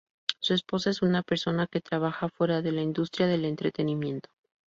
Su esposa es una persona que trabaja fuera de la industria del entretenimiento.